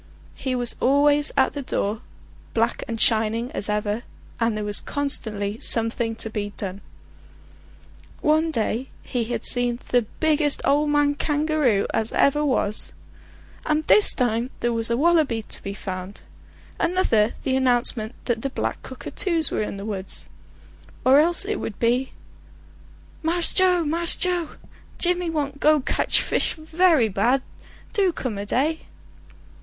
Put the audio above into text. He was always at the door, black and shining as ever, and there was constantly something to be done. One day he had seen the biggest ole man kangaroo as ever was; and this time there was a wallaby to be found; another the announcement that the black cockatoos were in the woods; or else it would be: "Mass Joe, Mass Joe! Jimmy want go kedge fis very bad; do come a day."